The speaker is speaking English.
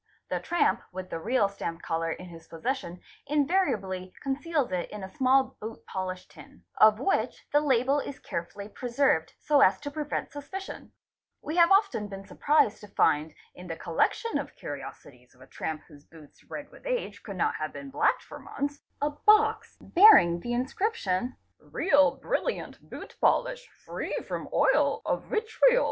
The tramp with the real stamp colour in his possession invariably conceals it in a small boot polish tin, of which the label is carefully preserved so as to prevent suspicion; we have often _ been surprised to find in the collection of curiosities of a tramp whose | boots, red with age, could not have been blacked for months, a box bearing the inscription, "real brilliant boot polish, free from oil of : vitriol".